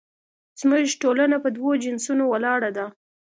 زموږ ټولنه په دوو جنسونو ولاړه ده